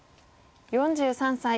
４３歳。